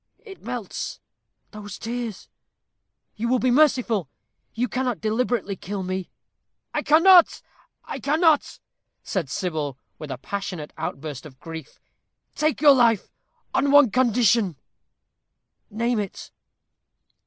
It melts those tears you will be merciful. You cannot deliberately kill me." "I cannot I cannot!" said Sybil, with a passionate outburst of grief. "Take your life on one condition." "Name it."